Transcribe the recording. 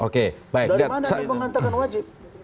dari mana dia mengantarkan wajib